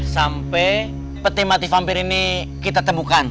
sampai peti mati vampir ini kita temukan